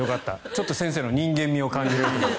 ちょっと先生の人間味を感じる。